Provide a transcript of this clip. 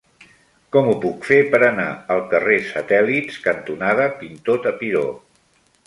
Com ho puc fer per anar al carrer Satèl·lits cantonada Pintor Tapiró?